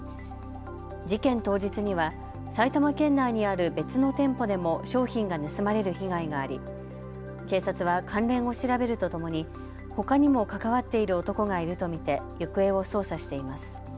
事件当日には埼玉県内にある別の店舗でも商品が盗まれる被害があり警察は関連を調べるとともにほかにも関わっている男がいると見て行方を捜査しています。